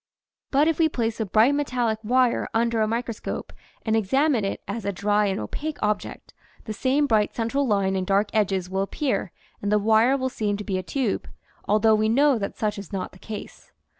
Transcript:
But if we place a. bright metallic wire under a microscope and examine it as a dry and opaque object, the same bright central line and dark edges will appear and the wire will seem to be a tube, although we know that such is not the case.